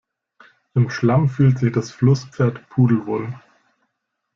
Im Schlamm fühlt sich das Flusspferd pudelwohl.